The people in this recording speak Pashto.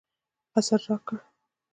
قصر راکړ.